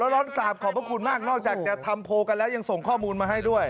ร้อนกราบขอบพระคุณมากนอกจากจะทำโพลกันแล้วยังส่งข้อมูลมาให้ด้วย